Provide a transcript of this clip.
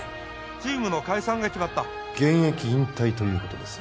チームの解散が決まった現役引退ということです